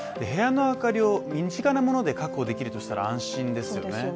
部屋の明かりを身近なもので確保できるとしたら安心ですよね。